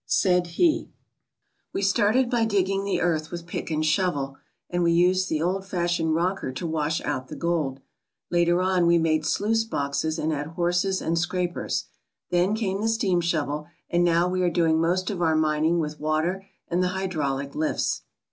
Said he: "We started by digging the earth with pick and shovel, and we used the old fashioned rocker to wash out the gold. Later on, we made sluice boxes and had horses and scrapers. Then fame the steam shovel, and now we are doing most of our mining with water and the hydraulic lifts.